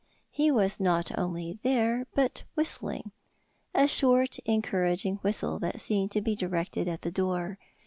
He was not only there, but whistling a short, encouraging whistle that seemed to be directed at the door.